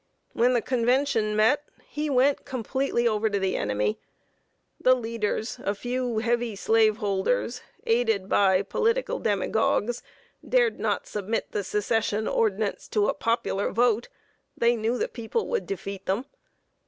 When the convention met, he went completely over to the enemy. The leaders a few heavy slaveholders, aided by political demagogues dared not submit the Secession ordinance to a popular vote; they knew the people would defeat them.